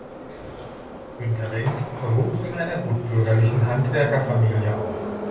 Günther Wendt wuchs in einer gutbürgerlichen Handwerkerfamilie auf.